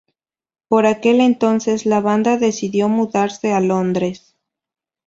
Por aquel entonces la banda decidió mudarse a Londres.